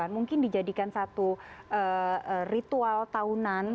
mungkin dijadikan satu ritual tahunan